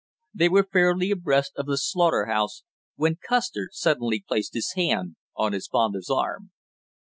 They were fairly abreast of the slaughter house when Custer suddenly placed his hand on his father's arm.